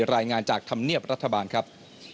รายงานจากธรรมเนียบรัฐบาลครับ